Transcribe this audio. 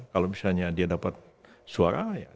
kalau misalnya dia dapat suara ya